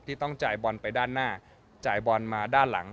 ต้องจ่ายบอลไปด้านหน้าจ่ายบอลมาด้านหลัง